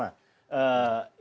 ya pertanyaan pertama